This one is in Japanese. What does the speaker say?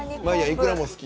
いくらも好き？」